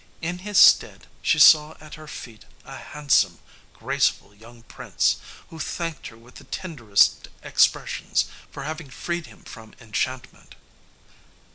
In his stead she saw at her feet a handsome, graceful young prince, who thanked her with the tenderest expressions for having freed him from enchantment.